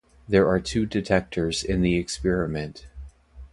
There are two detectors in the experiment.